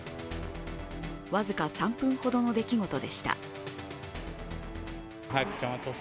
僅か３分ほどの出来事でした。